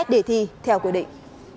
để thi theo quy định